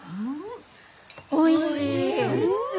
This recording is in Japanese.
おいしい。